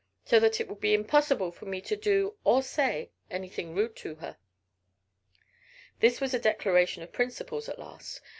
So that it would be impossible for me to do, or say, anything rude to her!" This was a declaration of principles at last.